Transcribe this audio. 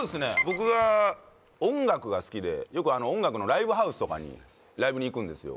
僕は音楽が好きでよく音楽のライブハウスとかにライブに行くんですよ